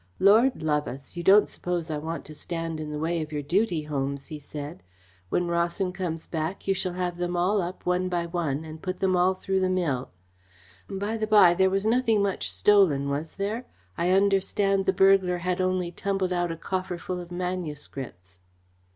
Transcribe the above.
"Lord love us, you don't suppose I want to stand in the way of your duty, Holmes?" he said. "When Rawson comes back, you shall have them all up, one by one, and put them through the mill. By the by, there was nothing much stolen, was there? I understand the burglar had only tumbled out a coffer full of manuscripts."